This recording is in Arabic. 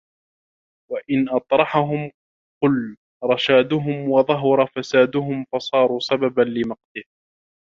وَإِنْ اطَّرَحَهُمْ قَلَّ رَشَادُهُمْ وَظَهَرَ فَسَادُهُمْ فَصَارُوا سَبَبًا لِمَقْتِهِ